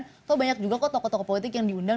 atau banyak juga kok tokoh tokoh politik yang diundang